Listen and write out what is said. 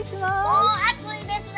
もう暑いですね！